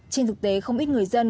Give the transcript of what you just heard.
trên thực tế không ít người dân